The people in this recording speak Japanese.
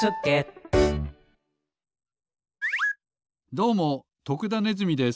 どうも徳田ネズミです。